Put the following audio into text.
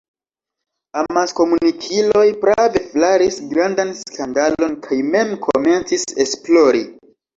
Amaskomunikiloj prave flaris grandan skandalon kaj mem komencis esplori.